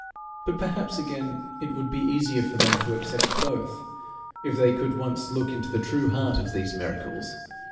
But perhaps, again, it would be easier for them, to accept both if they could once look into the true heart of these miracles.